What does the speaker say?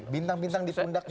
bintang bintang ditundak kita